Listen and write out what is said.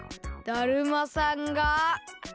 だるまさんが。